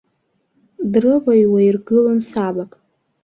Дрываҩуа иргылон сабак.